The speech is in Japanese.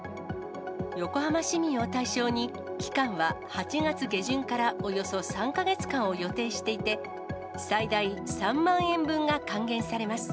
横浜市民を対象に、期間は８月下旬からおよそ３か月間を予定していて、最大３万円分が還元されます。